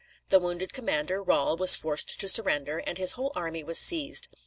The wounded commander, Rahl, was forced to surrender, and his whole army was seized.